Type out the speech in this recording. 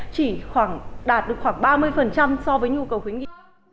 chỉ đạt được khoảng ba mươi so với nhu cầu khuyến nghị